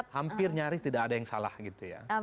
hampir nyaris tidak ada yang salah gitu ya